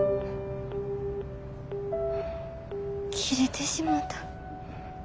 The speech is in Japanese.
切れてしもた。